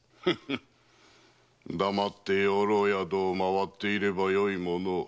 黙って養老宿を回っていればよいものを。